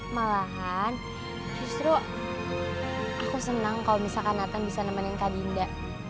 malahan justru aku senang kalau misalkan lantan bisa nemenin kak dinda